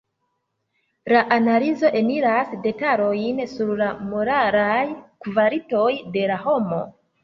La analizo eniras detalojn sur la moralaj kvalitoj de la homo.